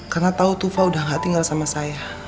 karena tahu tufa udah gak tinggal sama saya